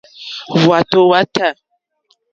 Hwàtò hwá tâ.